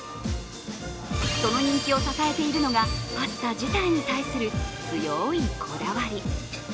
その人気を支えているのがパスタ自体に対する強いこだわり。